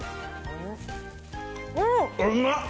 うまっ。